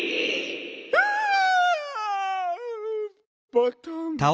バタン。